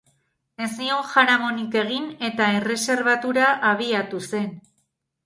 Ez zion jaramonik egin eta erreserbatura abiatu zen.